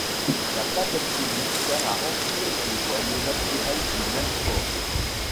La pâte obtenue sert à remplir des boyaux naturels du même porc.